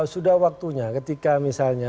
sudah waktunya ketika misalnya